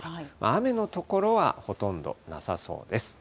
雨の所はほとんどなさそうです。